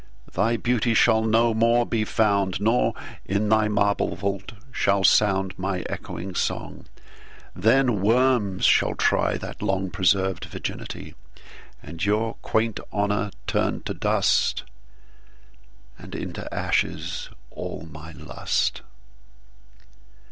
Thy Beauty shall no more be found; Nor, in thy marble Vault, shall soundMy ecchoing Song: then Worms shall tryThat long preserv'd Virginity:And your quaint Honour turn to dust; And into ashes all my Lust.